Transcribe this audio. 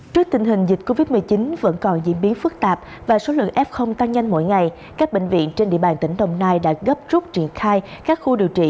trước tình hình dịch covid một mươi chín vẫn còn diễn biến phức tạp và số lượng f tăng nhanh mỗi ngày các bệnh viện trên địa bàn tỉnh đồng nai đã gấp rút triển khai các khu điều trị